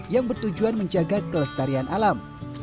yang bertujuan menjaga kelestarian alam